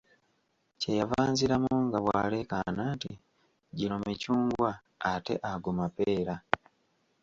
Kye yava anziramu nga bw'aleekaana nti, gino micungwa ate ago mapeera.